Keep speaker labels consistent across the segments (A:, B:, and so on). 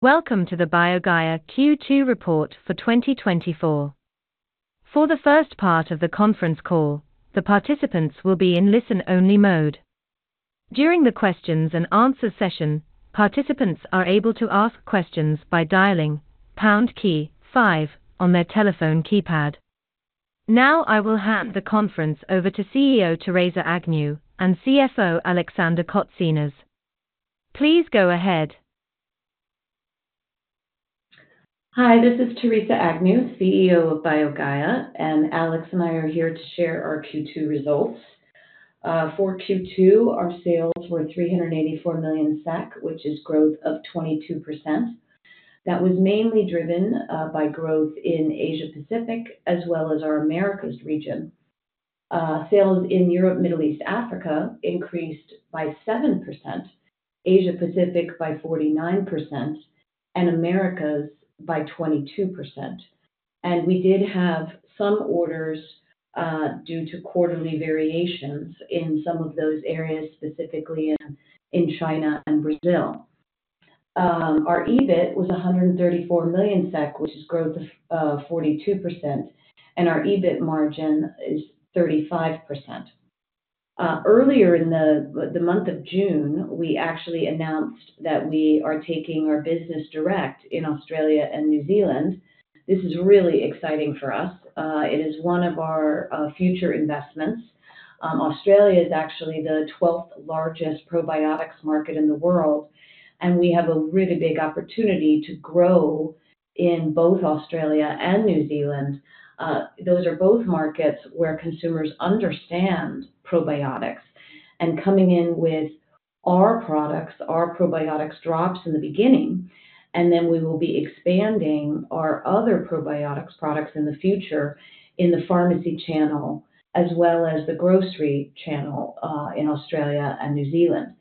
A: Welcome to the BioGaia Q2 report for 2024. For the first part of the conference call, the participants will be in listen-only mode. During the questions and answers session, participants are able to ask questions by dialing pound key five on their telephone keypad. Now I will hand the conference over to CEO Theresa Agnew and CFO Alexander Kotsinas. Please go ahead.
B: Hi, this is Theresa Agnew, CEO of BioGaia, and Alex and I are here to share our Q2 results. For Q2, our sales were 384 million SEK, which is growth of 22%. That was mainly driven by growth in Asia-Pacific, as well as our Americas region. Sales in Europe, Middle East, Africa increased by 7%, Asia-Pacific by 49%, and Americas by 22%. We did have some orders due to quarterly variations in some of those areas, specifically in China and Brazil. Our EBIT was 134 million SEK, which is growth of 42%, and our EBIT margin is 35%. Earlier in the month of June, we actually announced that we are taking our business direct in Australia and New Zealand. This is really exciting for us. It is one of our future investments. Australia is actually the12th largest probiotics market in the world, and we have a really big opportunity to grow in both Australia and New Zealand. Those are both markets where consumers understand probiotics. And coming in with our products, our probiotics drops in the beginning, and then we will be expanding our other probiotics products in the future in the pharmacy channel, as well as the grocery channel, in Australia and New Zealand.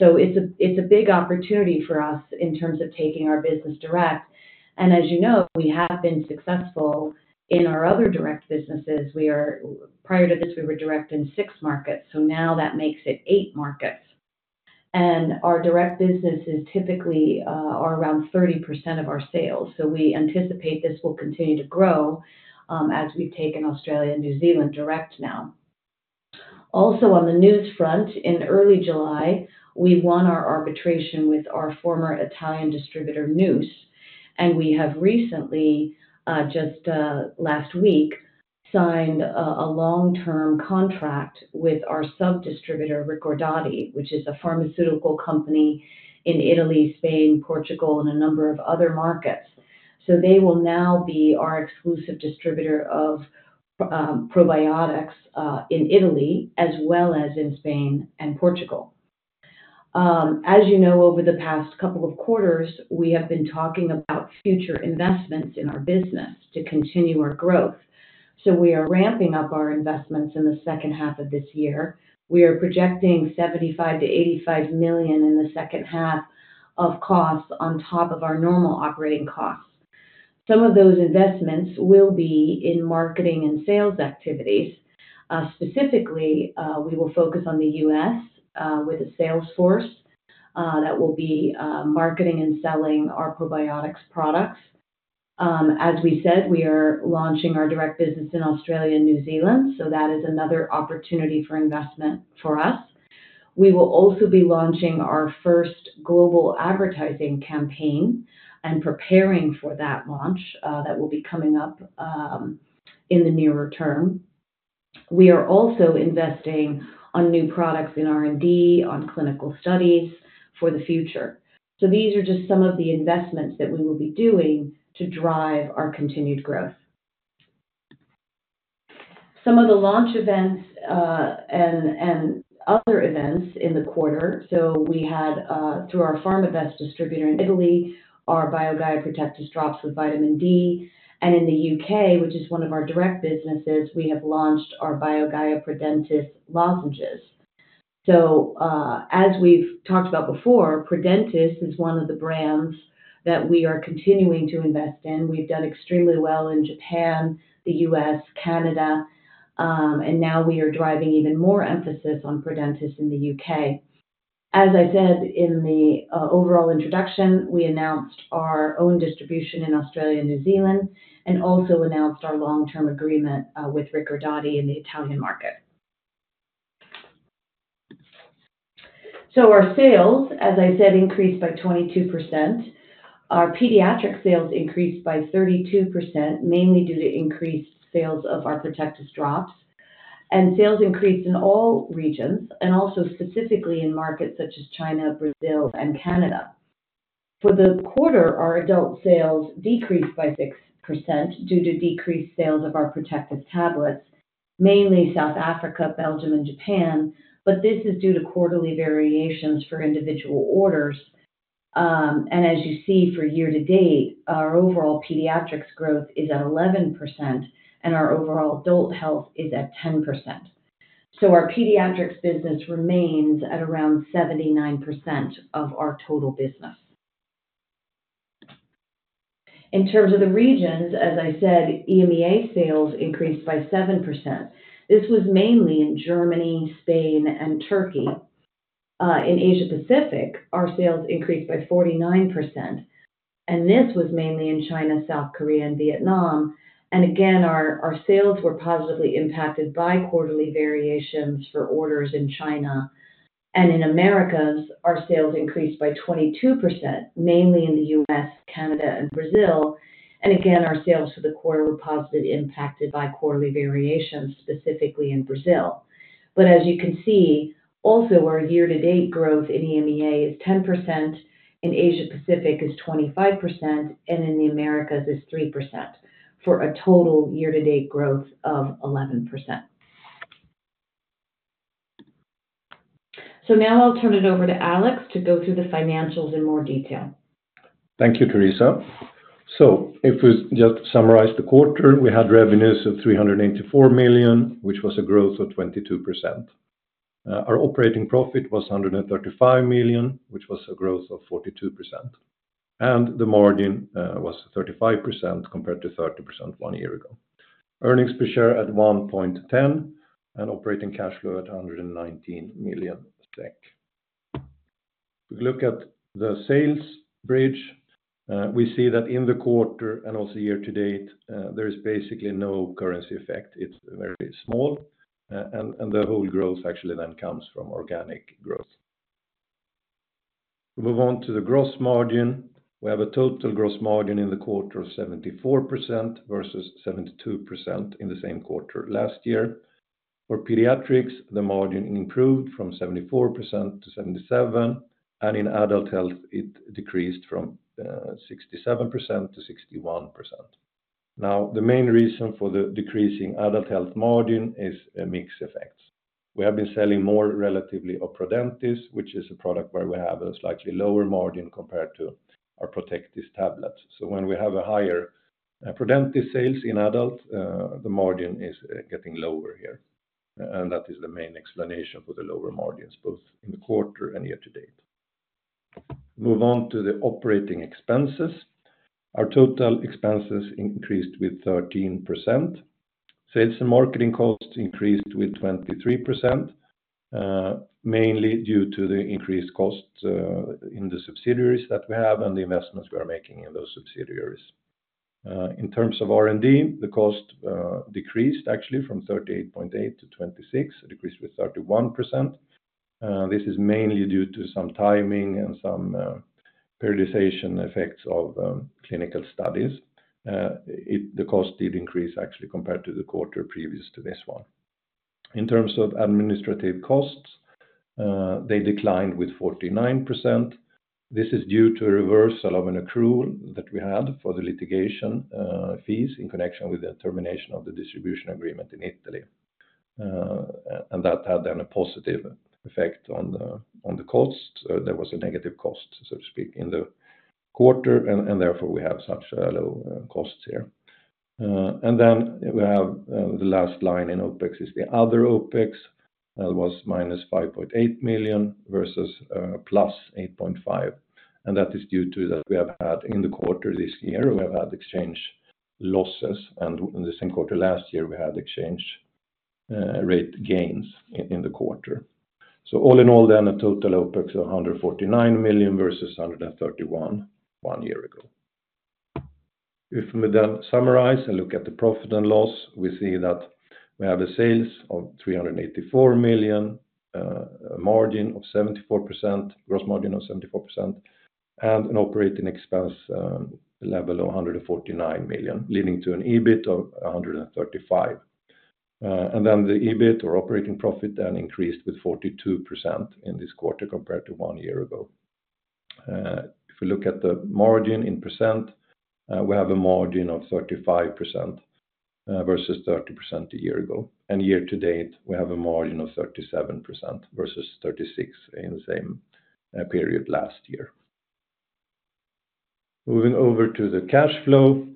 B: It's a big opportunity for us in terms of taking our business direct. And as you know, we have been successful in our other direct businesses. Prior to this, we were direct in six markets, so now that makes it eight markets. Our direct businesses typically are around 30% of our sales. So we anticipate this will continue to grow, as we've taken Australia and New Zealand direct now. Also, on the news front, in early July, we won our arbitration with our former Italian distributor, Noos. We have recently just last week signed a long-term contract with our sub-distributor, Recordati, which is a pharmaceutical company in Italy, Spain, Portugal, and a number of other markets. So they will now be our exclusive distributor of probiotics in Italy, as well as in Spain and Portugal. As you know, over the past couple of quarters, we have been talking about future investments in our business to continue our growth, so we are ramping up our investments in the second half of this year. We are projecting 75 million-85 million in the second half of costs, on top of our normal operating costs. Some of those investments will be in marketing and sales activities. Specifically, we will focus on the U.S., with a sales force that will be marketing and selling our probiotics products. As we said, we are launching our direct business in Australia and New Zealand, so that is another opportunity for investment for us. We will also be launching our first global advertising campaign and preparing for that launch, that will be coming up, in the nearer term. We are also investing on new products in R&D, on clinical studies for the future. So these are just some of the investments that we will be doing to drive our continued growth. Some of the launch events and other events in the quarter. So we had, through our Pharmabest distributor in Italy, our BioGaia Protectis drops with vitamin D, and in the U.K., which is one of our direct businesses, we have launched our BioGaia Prodentis lozenges. So, as we've talked about before, Prodentis is one of the brands that we are continuing to invest in. We've done extremely well in Japan, the U.S., Canada, and now we are driving even more emphasis on Prodentis in the U.K. As I said in the overall introduction, we announced our own distribution in Australia and New Zealand, and also announced our long-term agreement with Recordati in the Italian market. So our sales, as I said, increased by 22%. Our pediatric sales increased by 32%, mainly due to increased sales of our Protectis drops. Sales increased in all regions and also specifically in markets such as China, Brazil, and Canada. For the quarter, our adult sales decreased by 6% due to decreased sales of our Protectis tablets, mainly South Africa, Belgium, and Japan, but this is due to quarterly variations for individual orders. And as you see, for year to date, our overall Pediatrics growth is at 11%, and our overall adult health is at 10%. So our Pediatrics business remains at around 79% of our total business. In terms of the regions, as I said, EMEA sales increased by 7%. This was mainly in Germany, Spain, and Turkey. In Asia Pacific, our sales increased by 49%, and this was mainly in China, South Korea, and Vietnam. Again, our sales were positively impacted by quarterly variations for orders in China. In Americas, our sales increased by 22%, mainly in the U.S., Canada and Brazil. Again, our sales for the quarter were positively impacted by quarterly variations, specifically in Brazil. As you can see, also our year-to-date growth in EMEA is 10%, in Asia Pacific is 25%, and in the Americas is 3%, for a total year-to-date growth of 11%. Now I'll turn it over to Alex to go through the financials in more detail.
C: Thank you, Theresa. So if we just summarize the quarter, we had revenues of 384 million, which was a growth of 22%. Our operating profit was 135 million, which was a growth of 42%, and the margin was 35%, compared to 30% one year ago. Earnings per share at 1.10, and operating cash flow at 119 million SEK. If we look at the sales bridge, we see that in the quarter and also year-to-date, there is basically no currency effect. It's very small, and the whole growth actually then comes from organic growth. We move on to the gross margin. We have a total gross margin in the quarter of 74% versus 72% in the same quarter last year. For Pediatrics, the margin improved from 74% to 77%, and in Adult Health, it decreased from 67% to 61%. Now, the main reason for the decreasing Adult health margin is mix effects. We have been selling more relatively of Prodentis, which is a product where we have a slightly lower margin compared to our Protectis tablets. So when we have a higher Prodentis sales in adult, the margin is getting lower here, and that is the main explanation for the lower margins, both in the quarter and year-to-date. Move on to the operating expenses. Our total expenses increased with 13%. Sales and marketing costs increased with 23%, mainly due to the increased costs in the subsidiaries that we have and the investments we are making in those subsidiaries. In terms of R&D, the cost decreased actually from 38.8 to 26, a decrease with 31%. This is mainly due to some timing and some periodization effects of clinical studies. The cost did increase actually, compared to the quarter previous to this one. In terms of administrative costs, they declined with 49%. This is due to a reversal of an accrual that we had for the litigation fees in connection with the termination of the distribution agreement in Italy. That had then a positive effect on the cost. There was a negative cost, so to speak, in the quarter, and therefore, we have such low costs here. Then we have the last line in OpEx is the other OpEx. That was -5.8 million versus +8.5, and that is due to that we have had in the quarter this year, we have had exchange losses, and in the same quarter last year, we had exchange rate gains in the quarter. So all in all then, a total OpEx of 149 million versus 131 million one year ago. If we then summarize and look at the profit and loss, we see that we have the sales of 384 million, a margin of 74%, gross margin of 74%, and an operating expense level of 149 million, leading to an EBIT of 135. And then the EBIT or operating profit then increased with 42% in this quarter compared to one year ago. If we look at the margin in percent, we have a margin of 35%, versus 30% a year ago. Year-to-date, we have a margin of 37% versus 36% in the same period last year. Moving over to the cash flow.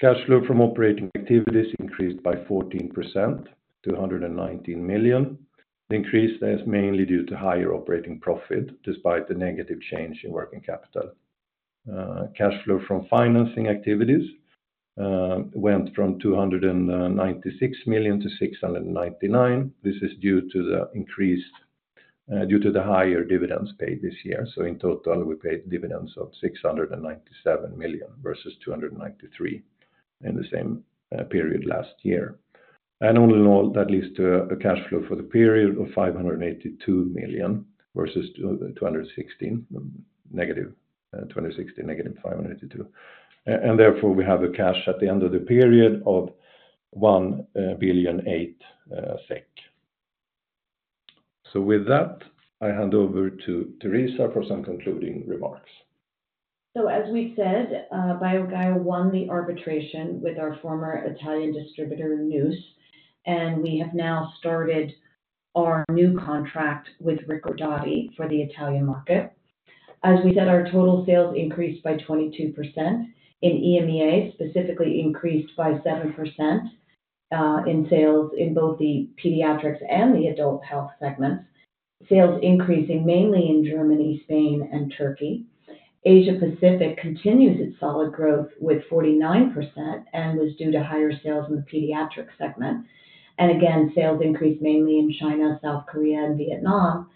C: Cash flow from operating activities increased by 14% to 119 million. The increase is mainly due to higher operating profit, despite the negative change in working capital. Cash flow from financing activities went from 296 million to 699 million. This is due to the higher dividends paid this year. So in total, we paid dividends of 697 million, versus 293 million in the same period last year. All in all, that leads to a cash flow for the period of 582 million, versus -216 million, -582 million. And therefore, we have cash at the end of the period of 1.8 billion. So with that, I hand over to Theresa for some concluding remarks.
B: So, as we said, BioGaia won the arbitration with our former Italian distributor, Noos, and we have now started our new contract with Recordati for the Italian market. As we said, our total sales increased by 22%. In EMEA, specifically increased by 7% in sales in both the Pediatrics and the Adult Health segments. Sales increasing mainly in Germany, Spain and Turkey. Asia Pacific continues its solid growth with 49% and was due to higher sales in the pediatric segment. And again, sales increased mainly in China, South Korea and Vietnam. And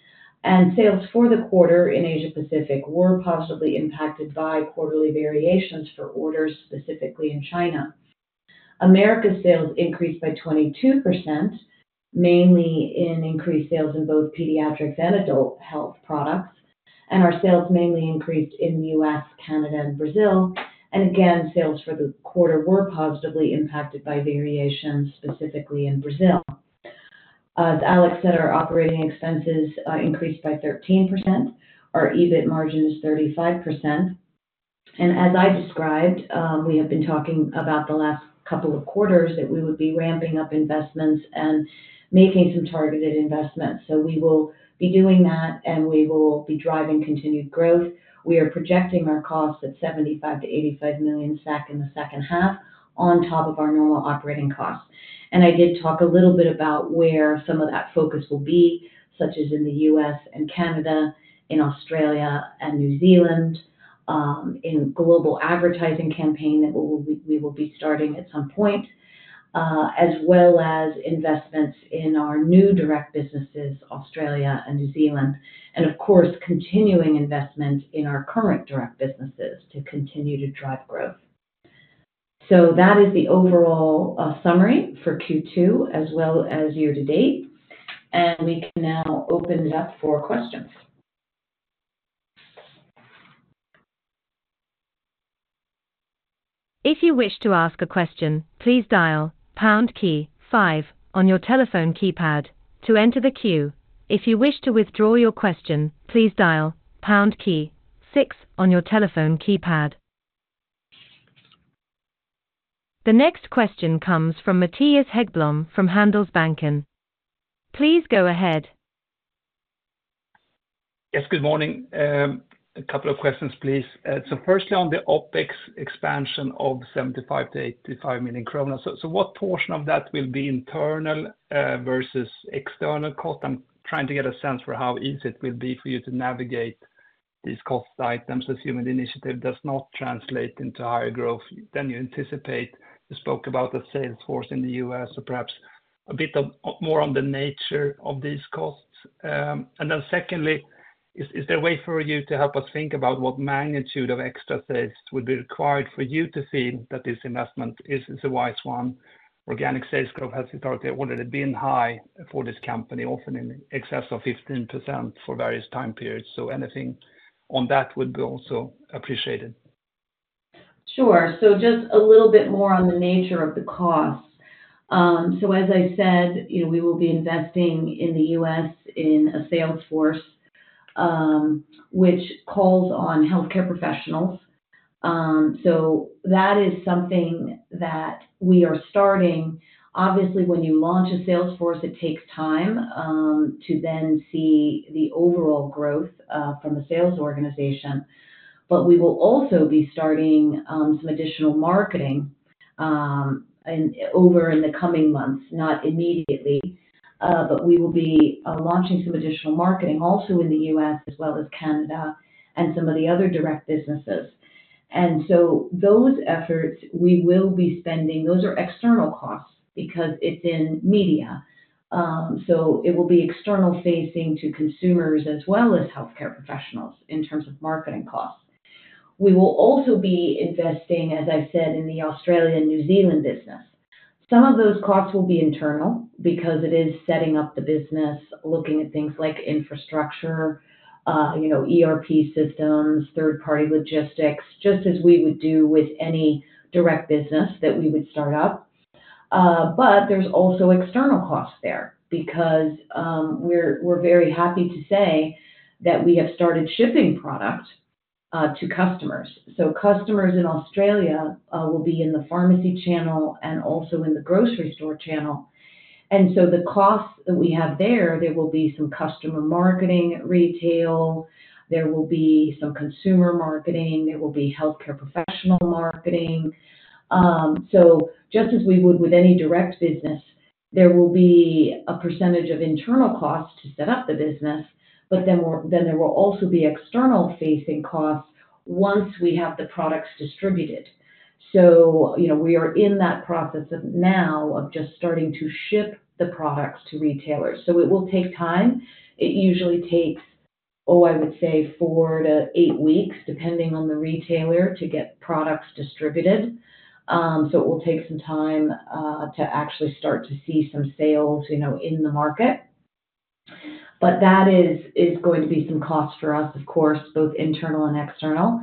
B: sales for the quarter in Asia Pacific were positively impacted by quarterly variations for orders, specifically in China. America sales increased by 22%, mainly in increased sales in both Pediatrics and Adult Health products, and our sales mainly increased in the U.S., Canada and Brazil. And again, sales for the quarter were positively impacted by variations, specifically in Brazil. As Alex said, our operating expenses increased by 13%. Our EBIT margin is 35%. And as I described, we have been talking about the last couple of quarters that we would be ramping up investments and making some targeted investments. So we will be doing that, and we will be driving continued growth. We are projecting our costs at 75 million-85 million in the second half on top of our normal operating costs. I did talk a little bit about where some of that focus will be, such as in the U.S. and Canada, in Australia and New Zealand, in global advertising campaign that we, we will be starting at some point, as well as investments in our new direct businesses, Australia and New Zealand, and of course, continuing investment in our current direct businesses to continue to drive growth. So that is the overall summary for Q2 as well as year-to-date, and we can now open it up for questions.
A: If you wish to ask a question, please dial pound key five on your telephone keypad to enter the queue. If you wish to withdraw your question, please dial pound key six on your telephone keypad. The next question comes from Mattias Häggblom, from Handelsbanken. Please go ahead.
D: Yes, good morning. A couple of questions, please. So firstly, on the OpEx expansion of 75 million-85 million kronor. So what portion of that will be internal versus external cost? I'm trying to get a sense for how easy it will be for you to navigate these cost items, assuming the initiative does not translate into higher growth than you anticipate. You spoke about the sales force in the U.S., so perhaps a bit more on the nature of these costs. And then secondly, is there a way for you to help us think about what magnitude of extra sales would be required for you to see that this investment is a wise one? Organic sales growth has historically been high for this company, often in excess of 15% for various time periods, so anything on that would be also appreciated.
B: Sure. So just a little bit more on the nature of the costs. So as I said, you know, we will be investing in the U.S. in a sales force, which calls on healthcare professionals. So that is something that we are starting. Obviously, when you launch a sales force, it takes time to then see the overall growth from a sales organization. But we will also be starting some additional marketing and over in the coming months, not immediately, but we will be launching some additional marketing also in the U.S. as well as Canada and some of the other direct businesses. And so those efforts we will be spending. Those are external costs because it's in media. So it will be external facing to consumers as well as healthcare professionals in terms of marketing costs. We will also be investing, as I said, in the Australia and New Zealand business. Some of those costs will be internal because it is setting up the business, looking at things like infrastructure, you know, ERP systems, third-party logistics, just as we would do with any direct business that we would start up. But there's also external costs there because, we're very happy to say that we have started shipping product to customers. So customers in Australia will be in the pharmacy channel and also in the grocery store channel. And so the costs that we have there, there will be some customer marketing at retail, there will be some consumer marketing, there will be healthcare professional marketing. So just as we would with any direct business, there will be a percentage of internal costs to set up the business, but then there will also be external facing costs once we have the products distributed. So, you know, we are in that process now of just starting to ship the products to retailers. So it will take time. It usually takes, I would say, four to eight weeks, depending on the retailer, to get products distributed. So it will take some time to actually start to see some sales, you know, in the market. But that is going to be some costs for us, of course, both internal and external.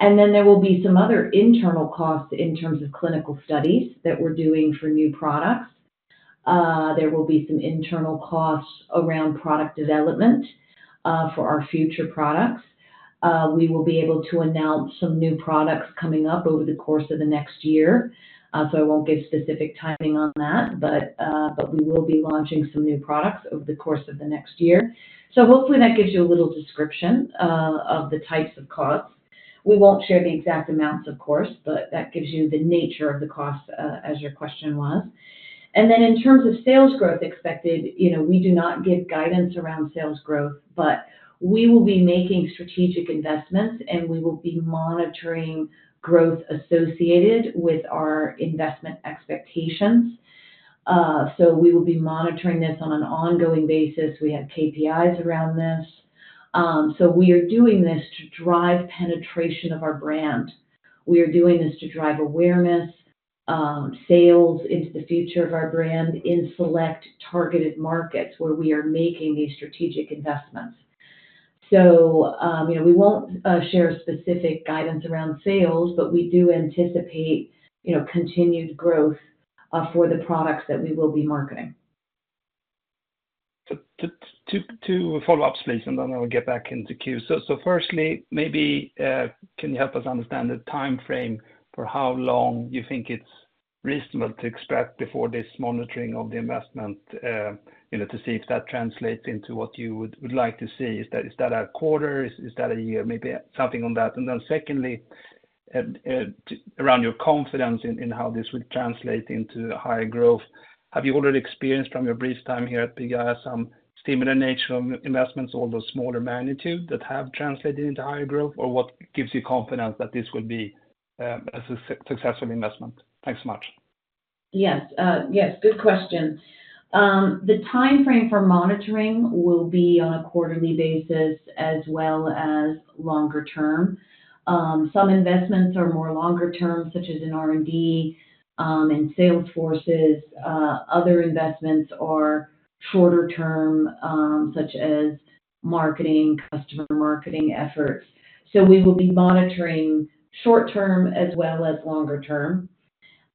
B: And then there will be some other internal costs in terms of clinical studies that we're doing for new products. There will be some internal costs around product development for our future products. We will be able to announce some new products coming up over the course of the next year. So I won't give specific timing on that, but we will be launching some new products over the course of the next year. So hopefully that gives you a little description of the types of costs. We won't share the exact amounts, of course, but that gives you the nature of the cost as your question was. And then in terms of sales growth expected, you know, we do not give guidance around sales growth, but we will be making strategic investments, and we will be monitoring growth associated with our investment expectations. So we will be monitoring this on an ongoing basis. We have KPIs around this. So we are doing this to drive penetration of our brand. We are doing this to drive awareness, sales into the future of our brand in select targeted markets where we are making these strategic investments. So, you know, we won't share specific guidance around sales, but we do anticipate, you know, continued growth for the products that we will be marketing.
D: Two follow-ups, please, and then I will get back into queue. So firstly, maybe, can you help us understand the time frame for how long you think it's reasonable to expect before this monitoring of the investment, you know, to see if that translates into what you would like to see? Is that a quarter? Is that a year? Maybe something on that. And then secondly, to around your confidence in how this would translate into higher growth, have you already experienced from your brief time here at BioGaia some similar nature of investments, although smaller magnitude, that have translated into higher growth? Or what gives you confidence that this would be a successful investment? Thanks so much.
B: Yes. Yes, good question. The time frame for monitoring will be on a quarterly basis as well as longer term. Some investments are more longer term, such as in R&D, and sales forces. Other investments are shorter term, such as marketing, customer marketing efforts. So we will be monitoring short term as well as longer term.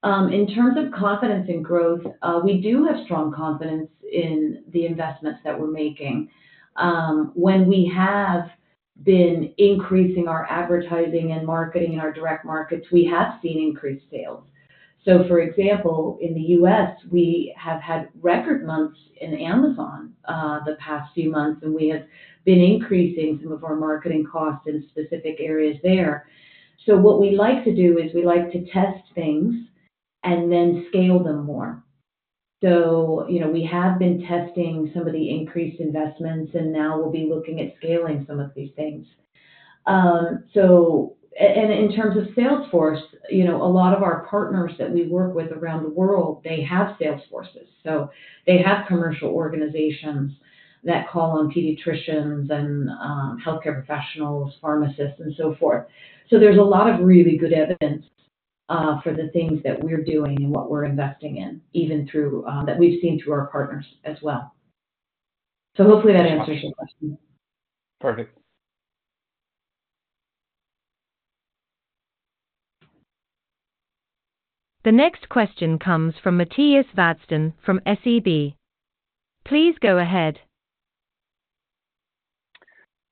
B: In terms of confidence in growth, we do have strong confidence in the investments that we're making. When we have been increasing our advertising and marketing in our direct markets, we have seen increased sales. So for example, in the U.S., we have had record months in Amazon, the past few months, and we have been increasing some of our marketing costs in specific areas there. So what we like to do is we like to test things and then scale them more. So, you know, we have been testing some of the increased investments, and now we'll be looking at scaling some of these things. So, and in terms of sales force, you know, a lot of our partners that we work with around the world, they have sales forces. So they have commercial organizations that call on pediatricians and, healthcare professionals, pharmacists, and so forth. So there's a lot of really good evidence for the things that we're doing and what we're investing in, even through that we've seen through our partners as well. So hopefully that answers your question.
D: Perfect.
A: The next question comes from Mattias Vadsten from SEB. Please go ahead.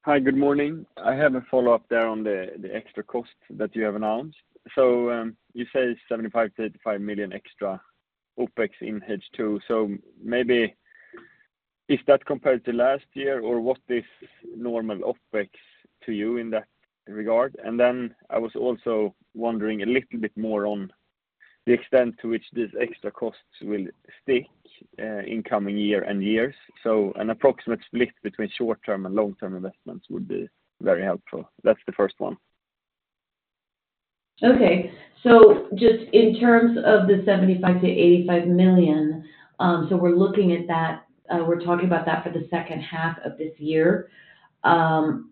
E: Hi, good morning. I have a follow-up there on the extra cost that you have announced. So, you say 75 million-85 million extra OpEx in H2. So maybe is that compared to last year, or what is normal OpEx to you in that regard? And then I was also wondering a little bit more on the extent to which these extra costs will stick in coming year and years. So an approximate split between short-term and long-term investments would be very helpful. That's the first one.
B: Okay. So just in terms of the 75 million-85 million, so we're looking at that, we're talking about that for the second half of this year.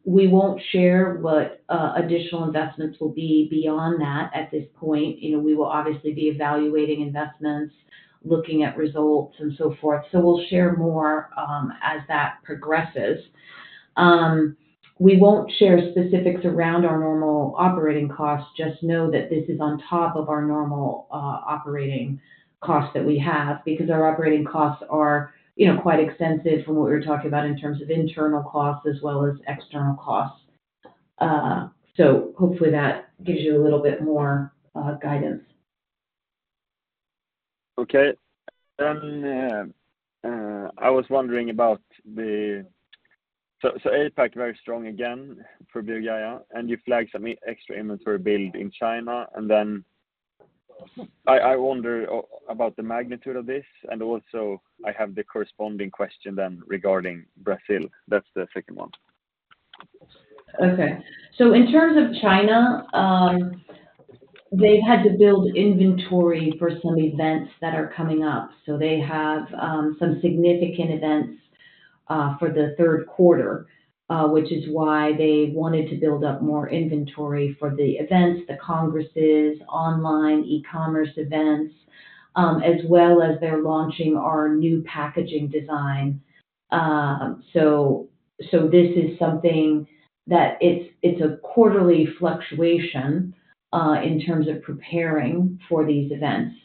B: We won't share what additional investments will be beyond that at this point. You know, we will obviously be evaluating investments, looking at results, and so forth. So we'll share more as that progresses. We won't share specifics around our normal operating costs. Just know that this is on top of our normal operating costs that we have, because our operating costs are, you know, quite extensive from what we were talking about in terms of internal costs as well as external costs. So hopefully that gives you a little bit more guidance.
E: Okay. Then, I was wondering about the—so, APAC, very strong again for BioGaia, and you flagged some extra inventory build in China. And then I wonder about the magnitude of this, and also I have the corresponding question then regarding Brazil. That's the second one.
B: Okay. So in terms of China, they've had to build inventory for some events that are coming up. So they have some significant events for the third quarter, which is why they wanted to build up more inventory for the events, the congresses, online, e-commerce events, as well as they're launching our new packaging design. So this is something that it's a quarterly fluctuation in terms of preparing for these events.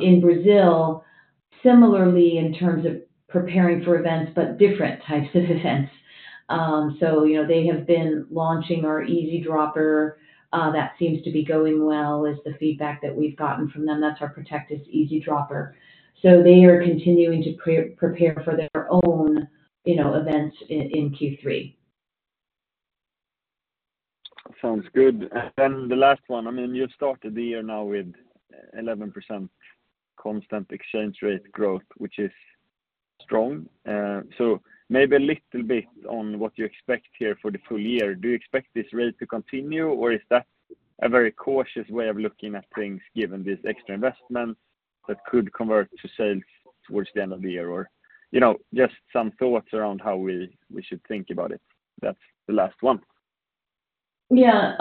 B: In Brazil, similarly, in terms of preparing for events, but different types of events. So, you know, they have been launching our EasyDropper that seems to be going well, is the feedback that we've gotten from them. That's our Protectis EasyDropper. So they are continuing to prepare for their own—you know, events in Q3.
E: Sounds good. And then the last one, I mean, you've started the year now with 11% constant exchange rate growth, which is strong. So maybe a little bit on what you expect here for the full year. Do you expect this rate to continue, or is that a very cautious way of looking at things, given these extra investments that could convert to sales towards the end of the year? Or, you know, just some thoughts around how we, we should think about it. That's the last one.
B: Yeah.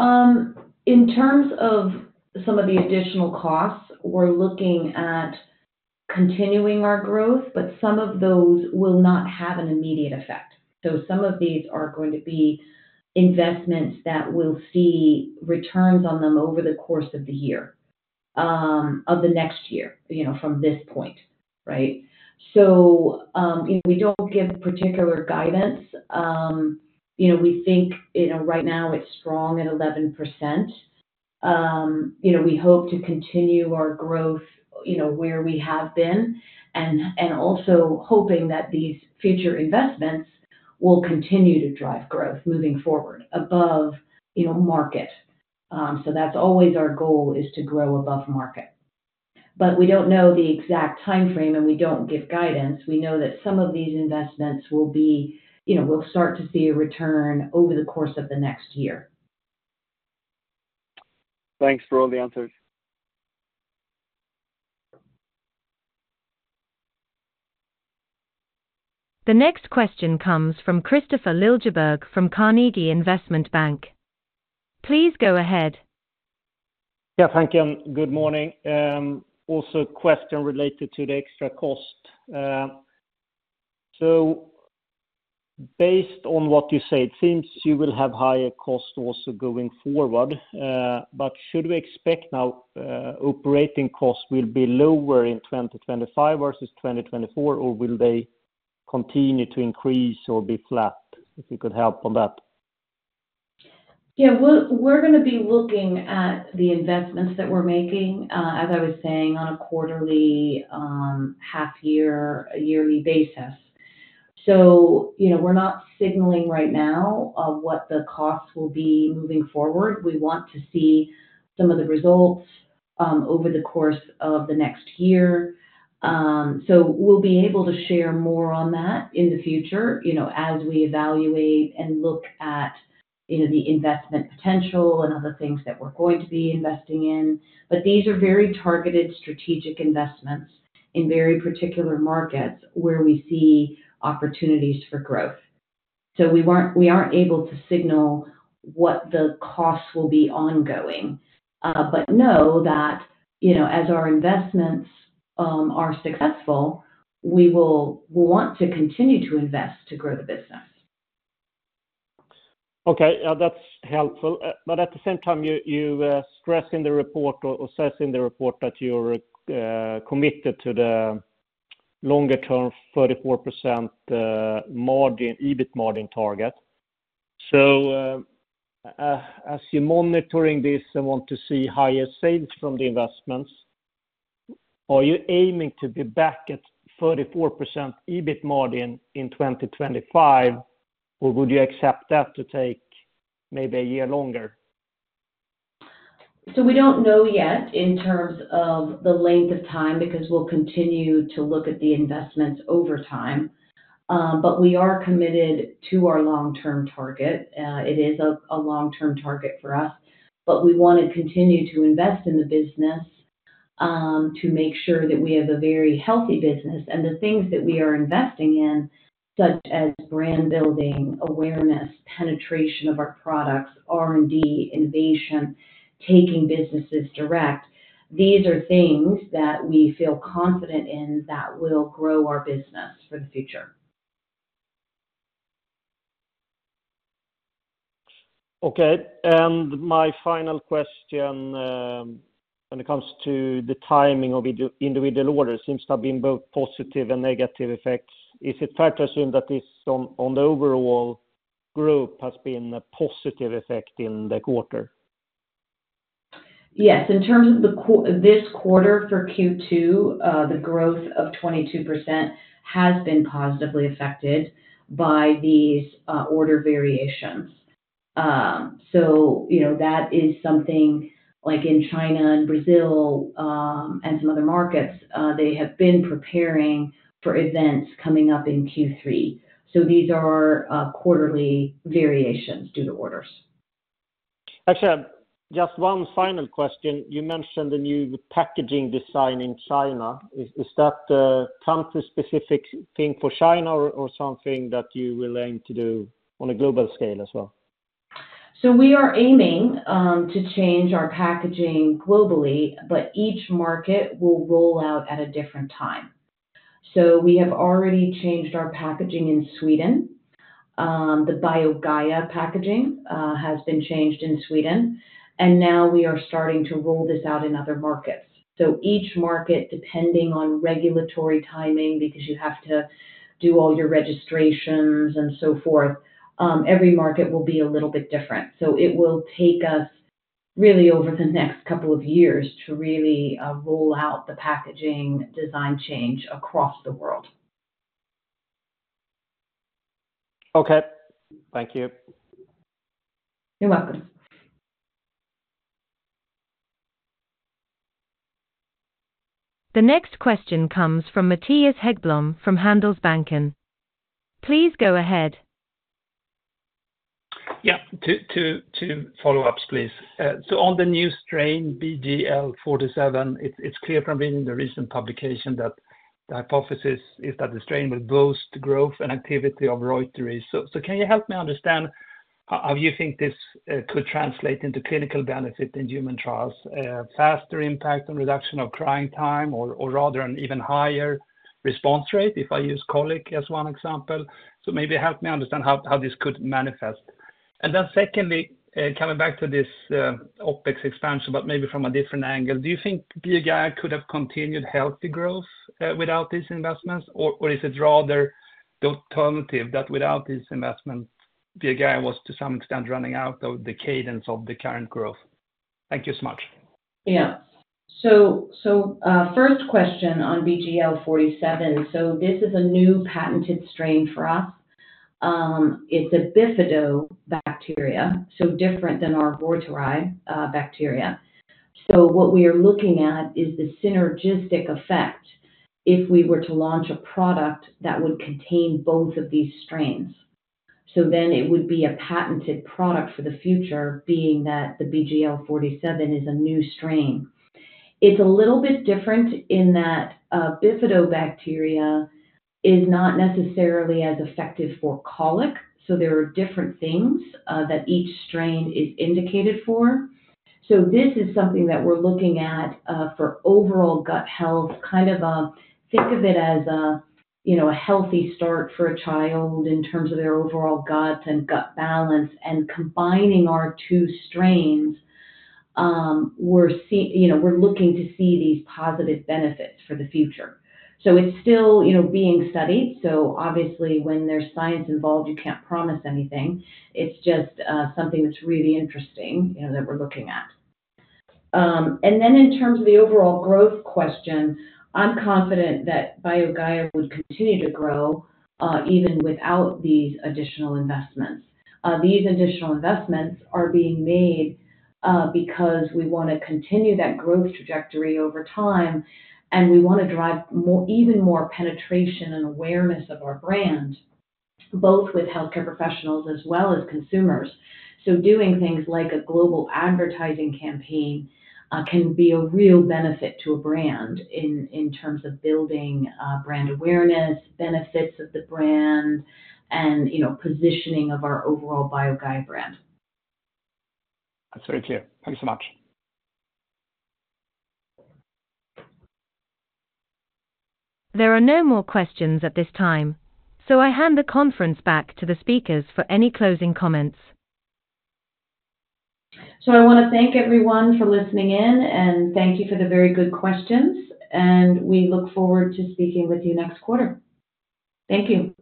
B: In terms of some of the additional costs, we're looking at continuing our growth, but some of those will not have an immediate effect. So some of these are going to be investments that we'll see returns on them over the course of the year, of the next year, you know, from this point, right? So, we don't give particular guidance. You know, we think, you know, right now it's strong at 11%. You know, we hope to continue our growth, you know, where we have been, and, and also hoping that these future investments will continue to drive growth moving forward above, you know, market. So that's always our goal, is to grow above market. But we don't know the exact time frame, and we don't give guidance. We know that some of these investments will be—you know, we'll start to see a return over the course of the next year.
E: Thanks for all the answers.
A: The next question comes from Kristofer Liljeberg from Carnegie Investment Bank. Please go ahead.
F: Yeah, thank you, and good morning. Also a question related to the extra cost. So based on what you said, since you will have higher costs also going forward, but should we expect now, operating costs will be lower in 2025 versus 2024, or will they continue to increase or be flat? If you could help on that.
B: Yeah. We're gonna be looking at the investments that we're making, as I was saying, on a quarterly, half year, a yearly basis. So, you know, we're not signaling right now of what the costs will be moving forward. We want to see some of the results, over the course of the next year. So we'll be able to share more on that in the future, you know, as we evaluate and look at, you know, the investment potential and other things that we're going to be investing in. But these are very targeted strategic investments in very particular markets where we see opportunities for growth. So we weren't—we aren't able to signal what the costs will be ongoing, but know that, you know, as our investments are successful, we will want to continue to invest to grow the business.
F: Okay, that's helpful. But at the same time, you stress in the report or assess in the report that you're committed to the longer-term 44% margin, EBIT margin target. So, as you're monitoring this, I want to see higher sales from the investments. Are you aiming to be back at 44% EBIT margin in 2025, or would you accept that to take maybe a year longer?
B: So we don't know yet in terms of the length of time, because we'll continue to look at the investments over time. But we are committed to our long-term target. It is a long-term target for us, but we want to continue to invest in the business, to make sure that we have a very healthy business. And the things that we are investing in, such as brand building, awareness, penetration of our products, R&D, innovation, taking businesses direct, these are things that we feel confident in that will grow our business for the future.
F: Okay, and my final question, when it comes to the timing of individual orders, seems to have been both positive and negative effects. Is it fair to assume that this, on the overall group, has been a positive effect in the quarter?
B: Yes. In terms of this quarter, for Q2, the growth of 22% has been positively affected by these order variations. So, you know, that is something like in China and Brazil, and some other markets, they have been preparing for events coming up in Q3. So these are quarterly variations due to orders.
F: Actually, just one final question. You mentioned the new packaging design in China. Is that a country-specific thing for China or something that you will aim to do on a global scale as well?
B: So we are aiming to change our packaging globally, but each market will roll out at a different time. So we have already changed our packaging in Sweden. The BioGaia packaging has been changed in Sweden, and now we are starting to roll this out in other markets. So each market, depending on regulatory timing, because you have to do all your registrations and so forth, every market will be a little bit different. So it will take us really over the next couple of years to really roll out the packaging design change across the world.
F: Okay. Thank you.
B: You're welcome.
A: The next question comes from Mattias Häggblom from Handelsbanken. Please go ahead.
D: Yeah. Two follow-ups, please. So on the new strain, BGL47, it's clear from reading the recent publication that the hypothesis is that the strain will boost growth and activity of reuteri. So can you help me understand how you think this could translate into clinical benefit in human trials? Faster impact on reduction of crying time or rather an even higher response rate, if I use colic as one example. So maybe help me understand how this could manifest. And then secondly, coming back to this OpEx expansion, but maybe from a different angle. Do you think BioGaia could have continued healthy growth without these investments? Or is it rather the alternative that without this investment, BioGaia was, to some extent, running out of the cadence of the current growth? Thank you so much.
B: Yeah. First question on BGL47. So this is a new patented strain for us. It's a bifidobacteria, so different than our reuteri bacteria. So what we are looking at is the synergistic effect if we were to launch a product that would contain both of these strains. So then it would be a patented product for the future, being that the BGL47 is a new strain. It's a little bit different in that, bifidobacteria is not necessarily as effective for colic, so there are different things that each strain is indicated for. So this is something that we're looking at for overall gut health. Kind of, think of it as a, you know, a healthy start for a child in terms of their overall guts and gut balance, and combining our two strains, you know, we're looking to see these positive benefits for the future. So it's still, you know, being studied. So obviously when there's science involved, you can't promise anything. It's just, something that's really interesting, you know, that we're looking at. And then in terms of the overall growth question, I'm confident that BioGaia would continue to grow, even without these additional investments. These additional investments are being made, because we wanna continue that growth trajectory over time, and we wanna drive even more penetration and awareness of our brand, both with healthcare professionals as well as consumers. So doing things like a global advertising campaign can be a real benefit to a brand in terms of building brand awareness, benefits of the brand and, you know, positioning of our overall BioGaia brand.
D: That's very clear. Thank you so much.
A: There are no more questions at this time, so I hand the conference back to the speakers for any closing comments.
B: I wanna thank everyone for listening in, and thank you for the very good questions, and we look forward to speaking with you next quarter. Thank you.